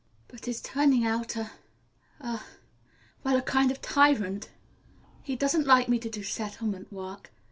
But he's turning out a a well, a kind of tyrant. He doesn't like me to do settlement work.